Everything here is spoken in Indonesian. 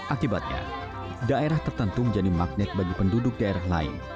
akibatnya daerah tertentu menjadi magnet bagi penduduk daerah lain